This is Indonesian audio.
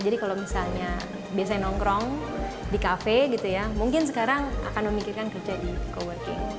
jadi kalau misalnya biasanya nongkrong di kafe gitu ya mungkin sekarang akan memikirkan kerja di co working